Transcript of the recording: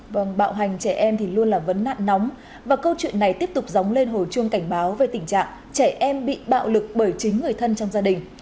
vâng bạo hành trẻ em thì luôn là vấn nạn nóng và câu chuyện này tiếp tục dóng lên hồi chuông cảnh báo về tình trạng trẻ em bị bạo lực bởi chính người thân trong gia đình